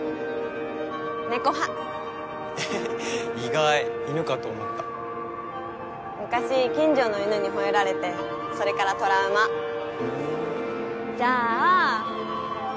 猫派え意外犬かと思った昔近所の犬にほえられてそれからトラウマじゃあ卵焼きは甘い派？